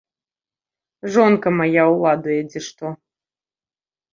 Жонка мая ўладуе дзе што.